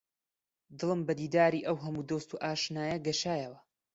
دڵم بە دیداری ئەو هەموو دۆست و ئاشنایانە گەشایەوە